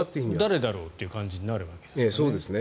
誰だろうという感じになるわけですね。